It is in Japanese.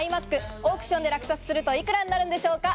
オークションで落札するといくらになるんでしょうか？